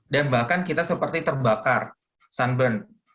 dan bahkan kita seperti terbakar sunburn